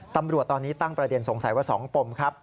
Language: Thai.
ตำรวจตอนนี้ตั้งประเด็นสงสัยว่า๒ปมครับ